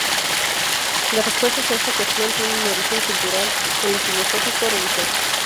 Las respuestas a esta cuestión tienen un origen cultural en lo filosófico-religioso.